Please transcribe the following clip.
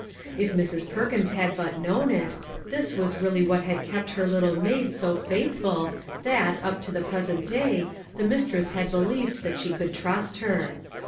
If Mrs. Perkins had but known it, this was really what had kept her little maid so faithful that, up to the present day, the mistress had believed that she could trust her.